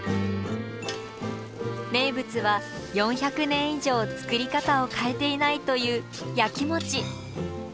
名物は４００年以上作り方を変えていないという焼き餅。